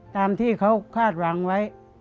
ตามที่เขาคาดหวังไว้